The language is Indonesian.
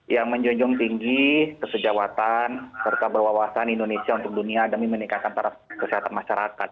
yang menjunjung tinggi kesejawatan serta berwawasan indonesia untuk dunia demi meningkatkan taraf kesehatan masyarakat